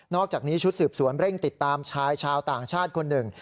อกจากนี้ชุดสืบสวนเร่งติดตามชายชาวต่างชาติคนหนึ่ง